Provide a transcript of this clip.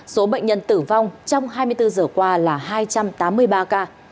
số bệnh nhân tử vong trong hai mươi bốn giờ qua là hai trăm tám mươi ba ca